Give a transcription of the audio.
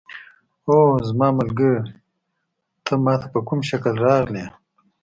اوه زما ملګری، ته ما ته په کوم شکل راغلې؟